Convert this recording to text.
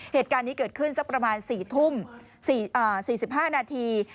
เหตุการณ์นี้เกิดขึ้นสักประมาณ๔ทุ่ม๔๕นาที